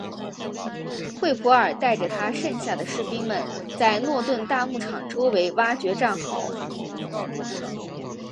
惠普尔带着他剩下的士兵们在诺顿大牧场周围挖掘战壕。